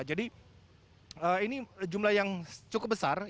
jadi ini jumlah yang cukup besar